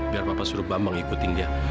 biar papa suruh bambang ikuti dia